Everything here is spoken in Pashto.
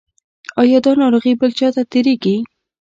ایا دا ناروغي بل چا ته تیریږي؟